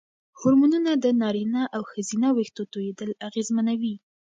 هورمونونه د نارینه او ښځینه وېښتو توېیدل اغېزمنوي.